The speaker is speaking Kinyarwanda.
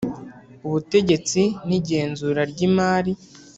ubutegetsi n igenzura ry imari